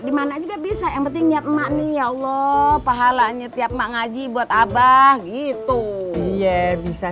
dimana juga bisa yang penting nyatmani ya allah pahalanya tiap mengaji buat abah gitu iya bisa